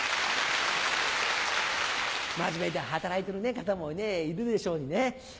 真面目に働いてる方もいるでしょうにね。